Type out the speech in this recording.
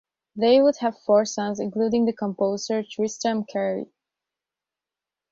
They would have four sons, including the composer, Tristram Cary.